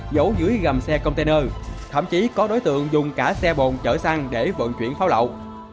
giấu dưới gầm xe container thậm chí có đối tượng dùng cả xe bồn chở xăng để vận chuyển pháo lậu